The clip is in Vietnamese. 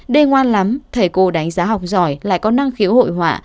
đê ngoan lắm thầy cô đánh giá học giỏi lại có năng khiếu hội họa